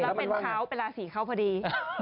อย่ะแล้วเป็นพร้าวเป็นราสีเขาพอดี